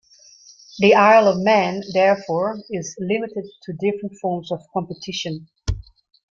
The Isle of Man therefore is limited to different forms of competition.